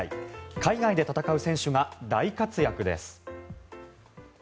海外で戦う選手が大活躍です。